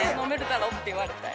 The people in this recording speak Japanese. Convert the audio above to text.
って言われたい。